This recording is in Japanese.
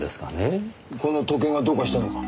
この時計がどうかしたのか？